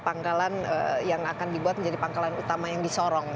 pangkalan yang akan dibuat menjadi pangkalan utama yang disorong